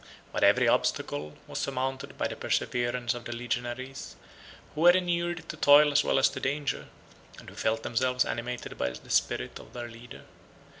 But every obstacle was surmounted by the perseverance of the legionaries, who were inured to toil as well as to danger, and who felt themselves animated by the spirit of their leader.